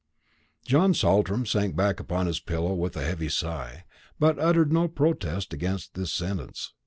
John Saltram sank back upon his pillow with a heavy sigh, but uttered no protest against this sentence.